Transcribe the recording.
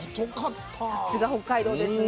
さすが北海道ですね。